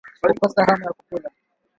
Kukosa hamu ya kula